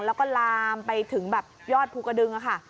แล้วก็ลามไปถึงแบบยอดภูกระดึงค่ะ